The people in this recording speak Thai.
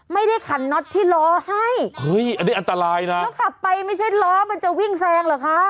ขันน็อตที่ล้อให้เฮ้ยอันนี้อันตรายนะแล้วขับไปไม่ใช่ล้อมันจะวิ่งแซงเหรอคะ